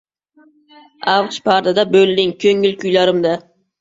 Avj pardada bo‘lding ko‘ngil kuylarimda.